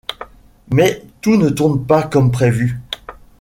Mais tout ne tourne pas comme prévu...